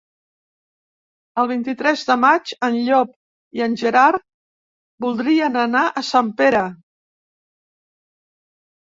El vint-i-tres de maig en Llop i en Gerard voldrien anar a Sempere.